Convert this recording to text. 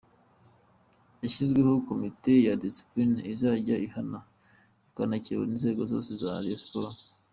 Hashyizweho commite ya discipline izajya ihana ikanakebura inzego zose za Rayon sport.